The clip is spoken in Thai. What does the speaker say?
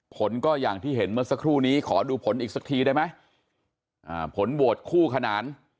ผลก็อย่างที่เห็นเมื่อสักครู่นี้ขอดูผลอีกสักทีได้ไหมผลโหวตคู่ขนาน